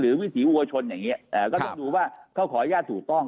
วิถีวัวชนอย่างนี้ก็ต้องดูว่าเขาขออนุญาตถูกต้อง